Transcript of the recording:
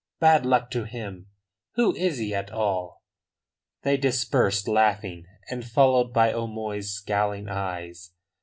Bad luck to him! Who is he at all?" They dispersed laughing and followed by O'Moy's scowling eyes.